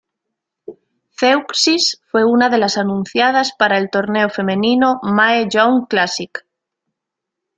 Zeuxis fue una de las anunciadas para el torneo femenino Mae Young Classic.